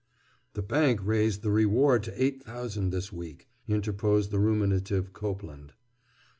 "The bank raised the reward to eight thousand this week," interposed the ruminative Copeland.